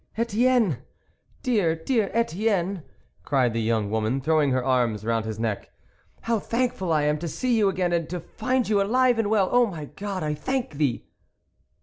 " Etienne ! dear, dear Etienne," cried the young woman, throwing her arms round his neck. " How thankful I am to see you again, and to find you alive and well ! Oh, my God, I thank Thee